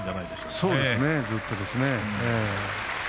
そうですねずっとですね。